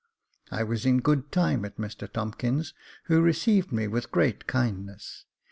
I was in good time at Mr Tompkins's, who received me with great kindness.